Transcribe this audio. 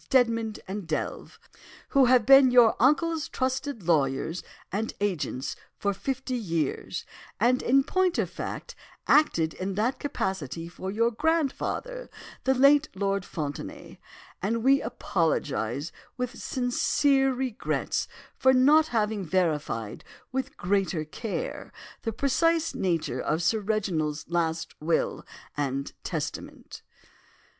Steadman and Delve, who have been your uncle's trusted lawyers and agents for fifty years, and in point of fact acted in that capacity for your grandfather, the late Lord Fontenaye, and we apologise, with sincere regrets, for not having verified with greater care the precise nature of Sir Reginald's last will and testament.